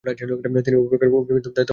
তিনি অভিভাবকের দায়িত্ব পালন করেছেন।